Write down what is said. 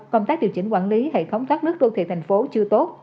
công tác điều chỉnh quản lý hệ thống thoát nước đô thị thành phố chưa tốt